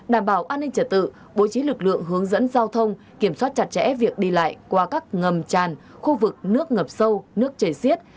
đảm bảo an ninh trả tự bố trí lực lượng hướng dẫn giao thông kiểm soát chặt chẽ việc đi lại qua các ngầm tràn khu vực nước ngập sâu nước chảy xiết